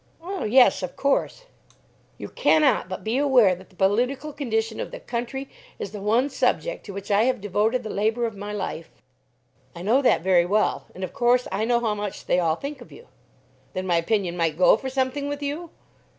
"Oh yes; of course." "You cannot but be aware that the political condition of the country is the one subject to which I have devoted the labour of my life." "I know that very well; and, of course, I know how much they all think of you." "Then my opinion might go for something with you?"